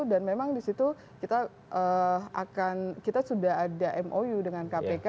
dan memang disitu kita sudah ada mou dengan kpk